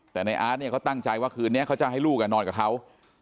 แต่ในอาร์ตเนี่ยเขาตั้งใจว่าคืนนี้เขาจะให้ลูกนอนกับเขา